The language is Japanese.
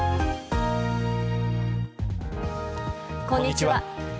こんにちは。